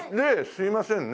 すいませんね。